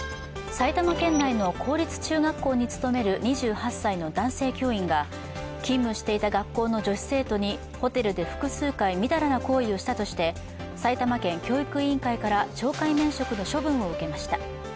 埼玉県内の公立中学校に勤める２８歳の男性教員が勤務していた学校の女子生徒にホテルで複数回、みだらな行為をしたとして埼玉県教育委員会から懲戒免職の処分を受けました。